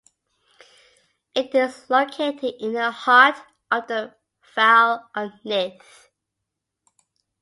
It is located in the heart of the Vale of Neath.